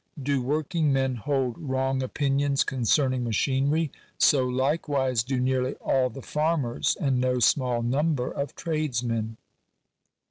Do working men hold wrong opinions concerning machinery? so likewise do nearly all the farmers and no small number of tradesmen.